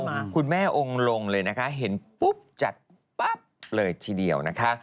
คุณแม่องค์ลงเลยนะคะเห็นปุ๊บจัดปั๊บเลยทีเดียวนะคะ